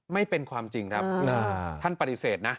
ไม่เป็นความจริงครับท่านปฏิเสธนะ